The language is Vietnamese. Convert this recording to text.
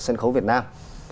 sân khấu việt nam